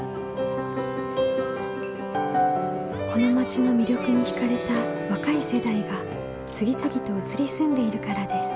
この町の魅力に惹かれた若い世代が次々と移り住んでいるからです。